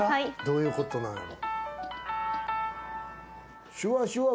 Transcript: どういうことなんやろ？